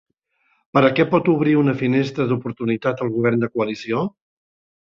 Per a què pot obrir una finestra d'oportunitat el govern de coalició?